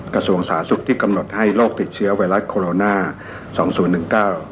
กระทรวงศาสตร์สุขที่กำหนดให้โรคติดเชี้ยวเวลาสองศูนย์หนึ่งเก้า